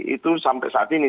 itu sampai saat ini